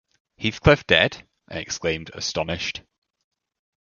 ‘Heathcliff dead!’ I exclaimed, astonished.